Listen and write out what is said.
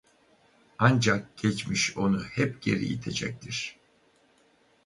Ancak geçmiş onu hep geri itecektir.